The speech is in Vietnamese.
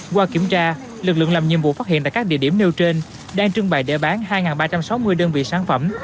qua kiểm tra lực lượng làm nhiệm vụ phát hiện tại các địa điểm nêu trên đang trưng bày để bán hai ba trăm sáu mươi đơn vị sản phẩm